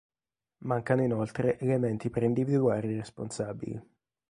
Mancano inoltre elementi per individuare i responsabili.